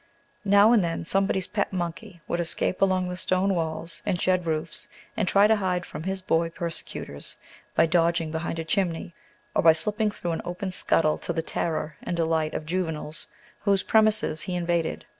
Now and then somebody's pet monkey would escape along the stone walls and shed roofs, and try to hide from his boy persecutors by dodging behind a chimney, or by slipping through an open scuttle, to the terror and delight of juveniles whose premises he invaded.